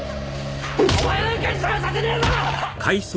お前なんかに邪魔させねえぞ！